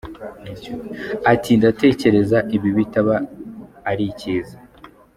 Ati : “Ndatekereza ibi bitaba ari icyiza.